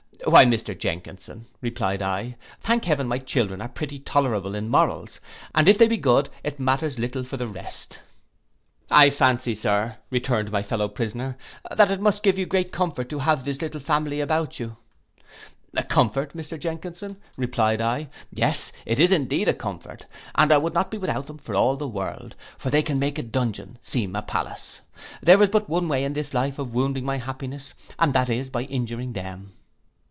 'Why, Mr Jenkinson', replied I, 'thank heaven my children are pretty tolerable in morals, and if they be good, it matters little for the rest.' 'I fancy, sir,' returned my fellow prisoner, 'that it must give you great comfort to have this little family about you.' 'A comfort, Mr Jenkinson,' replied I, 'yes it is indeed a comfort, and I would not be without them for all the world; for they can make a dungeon seem a palace. There is but one way in this life of wounding my happiness, and that is by injuring them.